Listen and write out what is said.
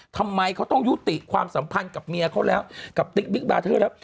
ทำไมเขาต้องยุติความสัมพันธ์กับเมียเขาแล้วกับติ๊กบิ๊กบาร์เทอร์แล้ว